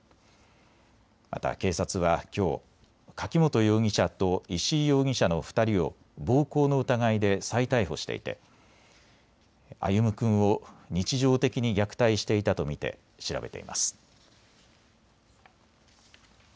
また警察はきょう、柿本容疑者と石井容疑者の２人を暴行の疑いで再逮捕していて歩夢君を日常的に虐待していたと見て調べています。